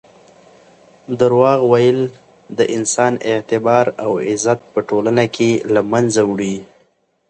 درواغ ویل د انسان اعتبار او عزت په ټولنه کې له منځه وړي.